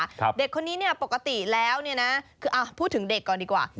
เด็กคนนี้ปกติแล้วพูดถึงเด็กก่อนดีกว่า